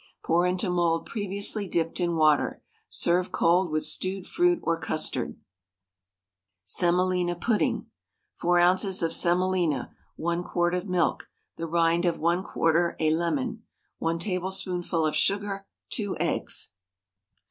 Pour into mould previously dipped in water. Serve cold with stewed fruit or custard. SEMOLINA PUDDING. 4 oz. of semolina, 1 quart of milk, the rind of 1/4 a lemon, 1 tablespoonful of sugar, 2 eggs.